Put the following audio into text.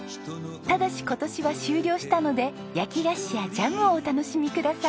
ただし今年は終了したので焼き菓子やジャムをお楽しみください。